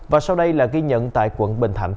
và sau đây là ghi nhận tại quận bình thạnh